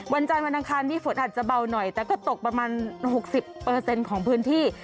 วันจันทร์วันอังคารนี้ฝนอาจจะเบาหน่อยแต่ก็ตกประมาณ๖๐ของพื้นที่